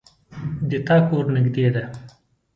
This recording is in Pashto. د تا کور نږدې ده